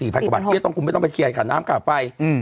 สี่พันกว่าบาทคือต้องคุ้มไม่ต้องไปเคลียร์ค่ะน้ำค่าไฟอืม